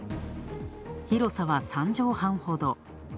広さは３畳半ほど。